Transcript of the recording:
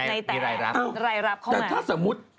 มีรายรับเข้ามาอยู่ว่าอ๋อแต่ถ้าสมมติ